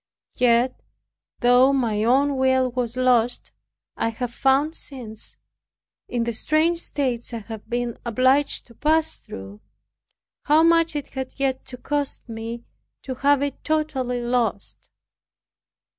Yet, though my own will was lost I have found since, in the strange states I have been obliged to pass through, how much it had yet to cost me to have it totally lost.